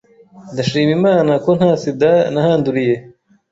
Ndashima Imana ko nta SIDA nahanduriye,